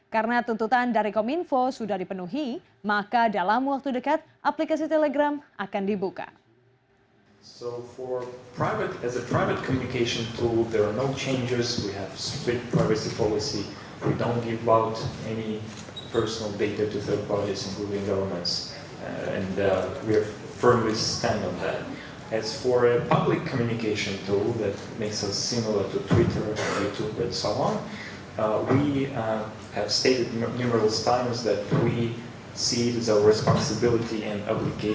karena tuntutan dari kominfo sudah dipenuhi maka dalam waktu dekat aplikasi telegram akan dibuka